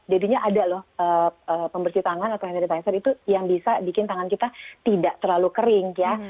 jadinya ada loh pembersih tangan atau hand sanitizer itu yang bisa bikin tangan kita tidak terlalu kering ya